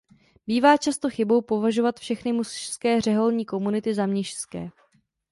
Bývá častou chybou považovat všechny mužské řeholní komunity za mnišské.